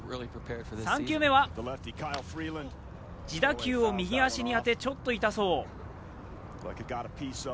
３球目は自打球を右足に当てちょっと痛そう。